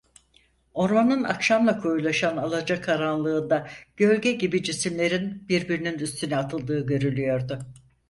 Ormanın akşamla koyulaşan alacakaranlığında gölge gibi cisimlerin birbirinin üstüne atıldığı görülüyordu.